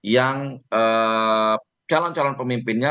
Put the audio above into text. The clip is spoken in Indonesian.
yang calon calon pemimpinnya